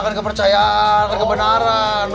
akan kepercayaan kebenaran